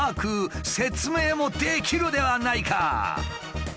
説明もできるではないか。